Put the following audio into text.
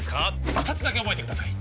二つだけ覚えてください